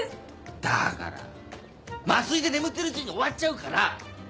だから麻酔で眠ってるうちに終わっちゃうから！